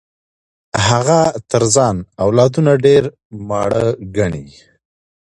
هغه تر ځان اولادونه ډېر ماړه ګڼي.